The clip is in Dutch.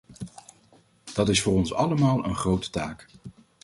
Dat is voor ons allemaal een grote taak.